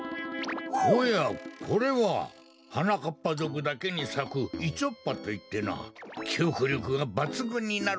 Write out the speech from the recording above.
おやこれははなかっぱぞくだけにさくイチョッパといってなきおくりょくがばつぐんになる